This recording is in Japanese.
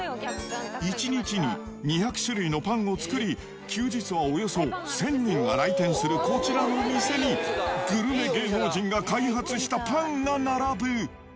１日に２００種類のパンを作り、休日はおよそ１０００人が来店するこちらの店に、グルメ芸能人が開発したパンが並ぶ。